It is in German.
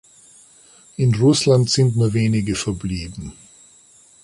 In Russland sind nur wenige verblieben.